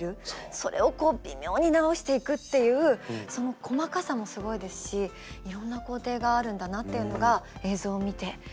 それを微妙に直していくっていうその細かさもすごいですしいろんな工程があるんだなっていうのが映像を見てよく分かりました。